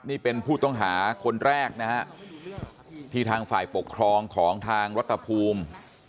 นี่เป็นผู้ต้องหาคนแรกนะฮะที่ทางฝ่ายปกครองของทางรัฐภูมิ